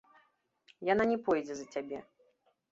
Яна не пойдзе за цябе.